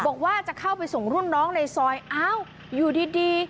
บอกว่าจะเข้าไปส่งรุ่นน้องในซอยอ้าวอยู่ดี